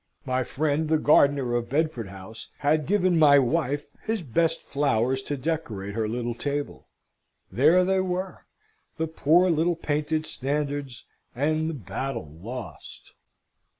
My friend the gardener of Bedford House had given my wife his best flowers to decorate her little table. There they were; the poor little painted standards and the battle lost!